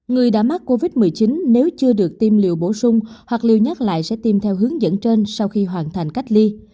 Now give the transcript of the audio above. người đã mắc covid một mươi chín nếu chưa được tiêm liệu bổ sung hoặc liều nhắc lại sẽ tiêm theo hướng dẫn trên sau khi hoàn thành cách ly